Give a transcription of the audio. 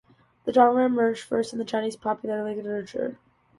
The genre emerged first in Chinese popular literature.